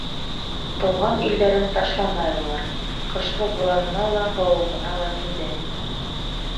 Тыуған илдәрен ташламай улар, ҡышҡы буранына ла, һыуығына ла түҙә.